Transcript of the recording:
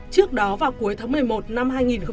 trước đó vào cuối tháng một mươi một năm hai nghìn một mươi chín